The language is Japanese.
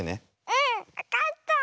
うんわかった。